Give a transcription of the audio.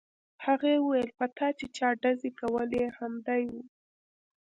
هغې وویل په تا چې چا ډزې کولې همدی و